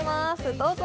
どうぞ。